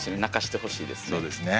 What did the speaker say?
そうですね。